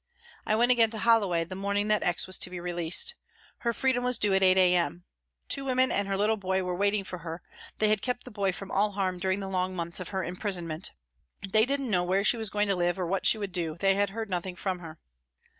I went again to Holloway the morning that X. was to be released. Her freedom was due at 8 a.m. Two women and her little boy were waiting for her, they had kept the boy from all harm during the long months of her imprisonment. They didn't know where she was going to live, or what she would do, they had heard nothing from her.